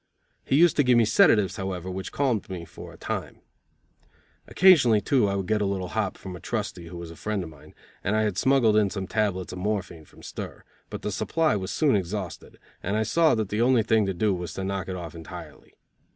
He used to give me sedatives, however, which calmed me for a time. Occasionally, too, I would get a little hop from a trusty, who was a friend of mine, and I had smuggled in some tablets of morphine from stir; but the supply was soon exhausted, and I saw that the only thing to do was to knock it off entirely.